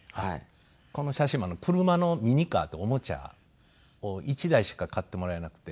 この写真も車のミニカーっていうおもちゃを１台しか買ってもらえなくて。